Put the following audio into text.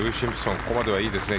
ここまではいいですね。